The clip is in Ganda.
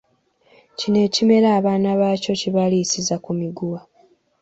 Kino ekimera abaana baakyo kibaliisiza ku miguwa.